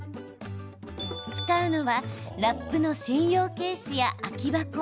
使うのはラップの専用ケースや空き箱。